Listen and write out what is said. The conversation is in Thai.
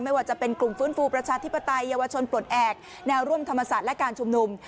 ไม่ว่าจะเป็นกลุ่มฟื้นฟูประชาธิปไตยเยาวชนปลดแอบแนวร่วมธรรมศาสตร์และการชุมนุม